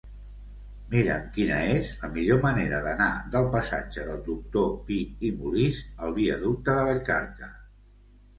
Mira'm quina és la millor manera d'anar del passatge del Doctor Pi i Molist a la viaducte de Vallcarca.